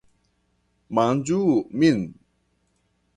Manĝu Min.